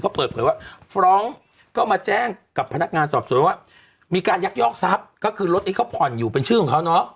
เขาเปิดเผยว่าฟรองก์ก็มาแจ้งกับพนักงานสอบสวนว่ามีการยักยอกทรัพย์ก็คือรถที่เขาผ่อนอยู่เป็นชื่อของเขาเนาะ